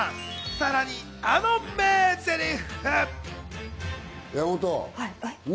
さらにあの名ゼリフ。